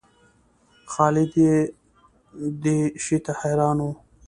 خالد یې دې شي ته حیران و.